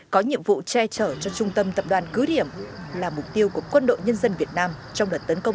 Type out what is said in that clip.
có nhiệm vụ che trở cho trung tâm tập đoàn cứ điểm là mục tiêu của quân đội nhân dân việt nam trong đợt tấn công